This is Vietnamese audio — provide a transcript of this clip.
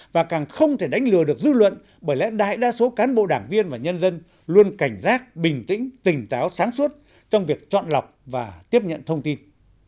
và càng không thể đánh lừa được dư luận bởi lẽ đại đa số cán bộ đảng viên và nhân dân luôn cảnh giác bình tĩnh tỉnh táo sáng suốt trong việc chọn lọc và tiếp nhận thông tin